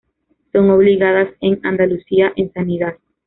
Son obligadas en Andalucía en Sanidad.